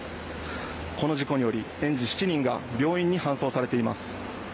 この事故により園児７人が病院に搬送されています。